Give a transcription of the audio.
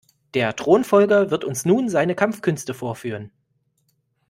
Der Thronfolger wird uns nun seine Kampfkünste vorführen.